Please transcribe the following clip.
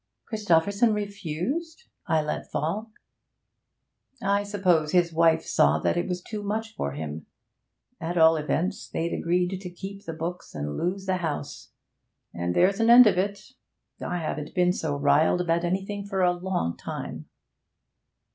'Christopherson refused?' I let fall. 'I suppose his wife saw that it was too much for him. At all events, they'd agreed to keep the books and lose the house. And there's an end of it. I haven't been so riled about anything for a long time!'